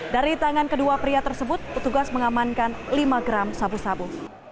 dari tangan kedua pria tersebut petugas mengamankan lima gram sabu sabu